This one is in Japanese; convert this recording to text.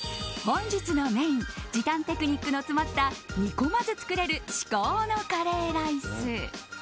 本日のメイン時短テクニックの詰まった煮込まず作れる至高のカレーライス。